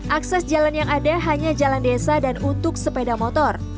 akses jalan yang ada hanya jalan desa dan untuk sepeda motor